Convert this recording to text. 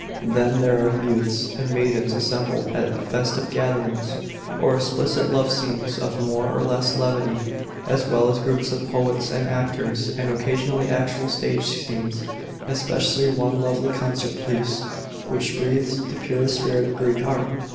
Then thero are youths and maidens assembled at festive gatherings, or explicit love scenes of more or less levity ; as well as groups of poets and actors, and occasionally actual stage scenes, especially one lovely concert piece which breathes the purest spirit of Greek art."